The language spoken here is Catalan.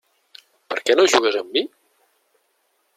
Per què no jugues amb mi?